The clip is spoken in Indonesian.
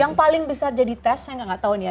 yang paling besar jadi tes saya nggak tahu nih ya